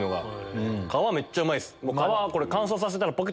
皮めっちゃうまいっす。